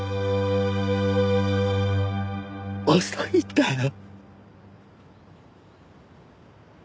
遅いんだよ。